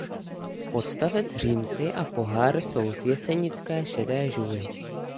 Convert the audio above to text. Podstavec římsy a pohár jsou z jesenické šedé žuly.